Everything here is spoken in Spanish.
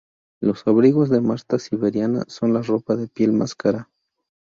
Los abrigos de marta siberiana son la ropa de piel más cara.